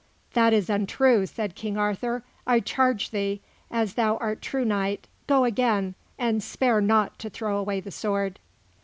"That is untrue," said King Arthur; "I charge thee, as thou art true knight, go again and spare not to throw away the sword."